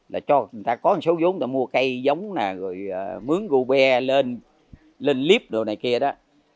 là cho người ta có số giống để mua cây giống rồi mướn gô bè lên lên líp đồ này kia đó